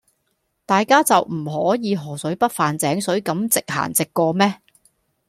大家就唔可以河水不犯井水咁直行直過咩?